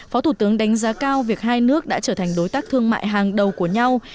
phó thủ tướng đánh giá cao việc hai nước đã trở thành đối tác thương mại hàng đầu của nhau